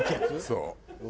そう。